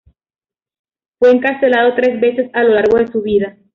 Fue encarcelado tres veces a lo largo de su vida.